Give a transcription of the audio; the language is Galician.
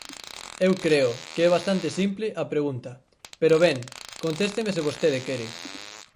Eu creo que é bastante simple a pregunta pero, ben, contésteme se vostede quere.